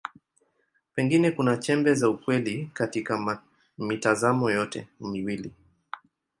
Pengine kuna chembe za ukweli katika mitazamo yote miwili.